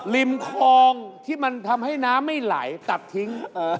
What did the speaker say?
ริมคลองที่มันทำให้น้ำไม่ไหลตัดทิ้ง